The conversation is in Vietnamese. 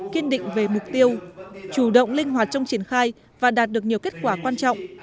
kiên định về mục tiêu chủ động linh hoạt trong triển khai và đạt được nhiều kết quả quan trọng